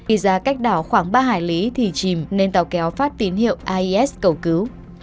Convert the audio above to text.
ý ra cách đảo khoảng ba hải lý thì chìm nên tàu kéo phát tín hiệu ais cầu cứu